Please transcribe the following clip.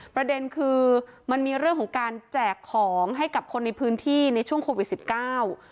ประเด็นคือมันมีเรื่องของการแจกของให้กับคนในพื้นที่ในช่วงโควิดสิบเก้า